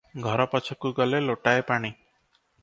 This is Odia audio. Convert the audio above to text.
ଘର ପଛକୁ ଗଲେ ଲୋଟାଏ ପାଣି ।